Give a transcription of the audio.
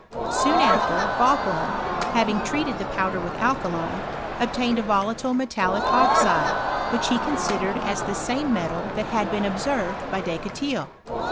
Soon after, Vauqiielin, having treated the powder with alkali, obtained a volatile metallic oxide, which he consi dered as the same metal that had been observed \>j Descotils.